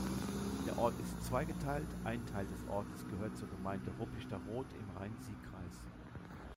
Der Ort ist zweigeteilt, ein Teil des Ortes gehört zur Gemeinde Ruppichteroth im Rhein-Sieg-Kreis.